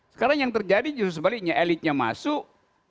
sekarang yang terjadi justru sebaliknya elitnya masuk